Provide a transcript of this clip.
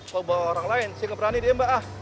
sobat orang lain siapa berani dia mbak ah